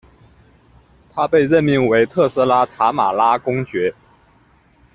他被任命为特拉斯塔马拉公爵。